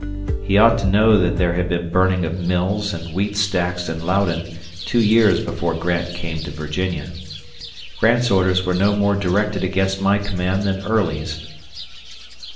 He ought to know that there had been burning of mills and wheat stacks in Loudon two years before Grant came to Virginia. Grant's orders were no more directed against my command than Early's.